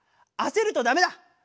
あせるとだめだ。